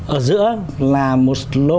ở giữa là một lô